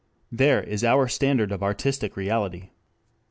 There is our standard of artistic reality.